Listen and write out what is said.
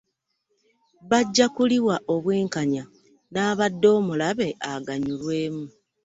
Bajja kuliwa obwenkanya n'abadde omulabe aganyulwemu